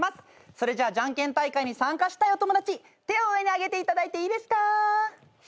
それじゃあじゃんけん大会に参加したいお友達手を上に挙げていただいていいですか？